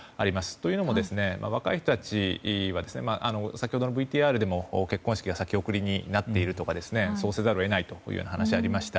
というのも、若い人たちは先ほどのＶＴＲでも結婚式が先送りになっているですとかそうせざるを得ないという話がありました。